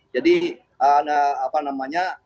jadi soal apa namanya